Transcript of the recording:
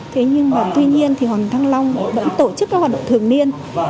thế nhưng mà tuy nhiên thì hòn thăng long vẫn tổ chức các hoạt động thường niên